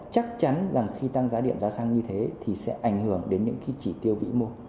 chắc chắn rằng khi tăng giá điện giá xăng như thế thì sẽ ảnh hưởng đến những cái chỉ tiêu vĩ mô